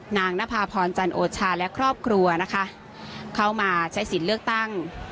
นางนภาพรจันโอชาและครอบครัวนะคะเข้ามาใช้สิทธิ์เลือกตั้ง